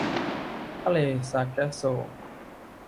ทะเลซาร์แกสโซ